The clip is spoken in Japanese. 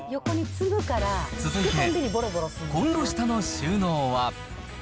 続いて、コンロ下の収納は。